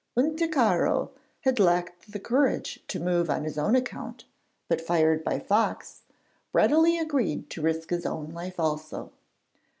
Unticaro had lacked the courage to move on his own account, but fired by Fox, readily agreed to risk his own life also.